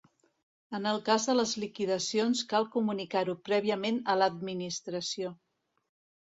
En el cas de les liquidacions, cal comunicar-ho prèviament a l'Administració.